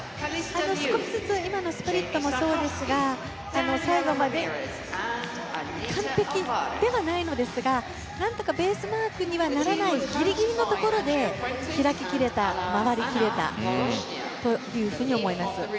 少しずつ今のスプリットもそうですが最後まで完璧ではないのですが何とかベースマークにはならないギリギリのところで開き切れた、回り切れたと思います。